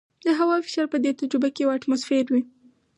د هوا فشار په دې تجربه کې یو اټموسفیر وي.